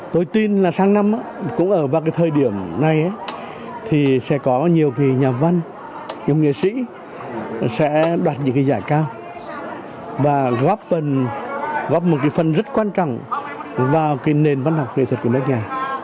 tôi tin là sáng năm cũng ở vào thời điểm này thì sẽ có nhiều nhà văn nhiều nghệ sĩ sẽ đoạt những giải cao và góp một phần rất quan trọng vào nền văn học nghệ thuật của nước nhà